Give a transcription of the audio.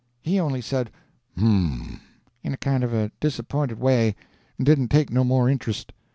He only said, "Um," in a kind of a disappointed way, and didn't take no more intrust.